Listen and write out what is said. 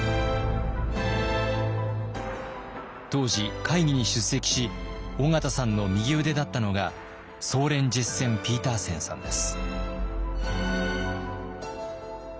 当時会議に出席し緒方さんの右腕だったのがソーレン・ジェッセン・ピーターセンさんです。